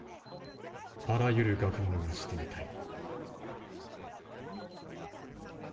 あらゆる学問がしてみたい」。